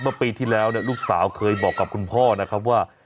เมื่อปีที่แล้วลูกสาวเคยบอกกับคุณพ่อนะครับว่า